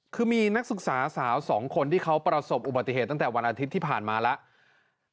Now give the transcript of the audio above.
คือมีนักศึกษาสาว๒คนที่เขาประสบอุบัติเหตุตั้งแต่วันอาทิตย์ที่ผ่านมาแล้ว